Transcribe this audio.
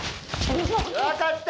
分かった！